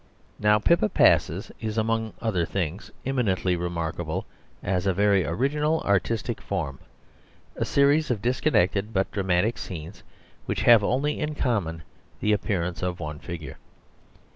Now Pippa Passes is, among other things, eminently remarkable as a very original artistic form, a series of disconnected but dramatic scenes which have only in common the appearance of one figure.